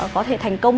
có thể thành công